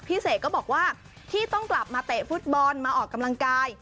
เสกก็บอกว่าที่ต้องกลับมาเตะฟุตบอลมาออกกำลังกาย